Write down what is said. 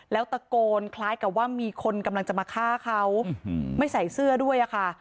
แล้วตะโกนคล้ายกับว่ามีคนกำลังจะมาฆ่าเขาไม่ใส่เสื้อด้วยค่ะ